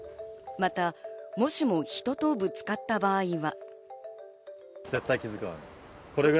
また、もしも人とぶつかった場合は。